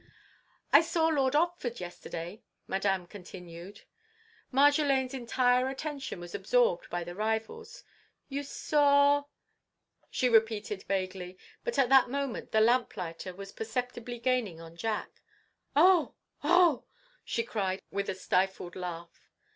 "I saw Lord Otford yesterday," Madame continued. Marjolaine's entire attention was absorbed by the rivals. "You saw—?" she repeated, vaguely. But at that moment the lamplighter was perceptibly gaining on Jack. "Oh! Oh!" she cried, with a stifled laugh.